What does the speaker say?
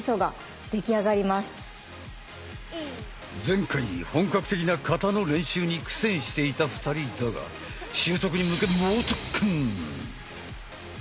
前回本格的な形の練習に苦戦していた２人だが習得に向け猛特訓！